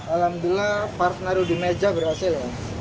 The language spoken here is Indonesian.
alhamdulillah partner udi meja berhasil